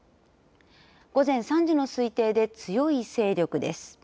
午前３時の推定で強い勢力です。